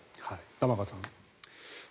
玉川さん。